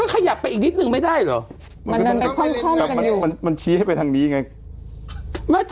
มันก็ขยับไปอีกนิดหนึ่งไม่ได้เหรอมันก็มันชี้ให้ไปทางนี้ไง